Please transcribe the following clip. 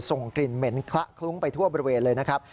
ส่งกลิ่นเหม็นคละคลุ้งไปทั่วบริเวณเลยนะครับ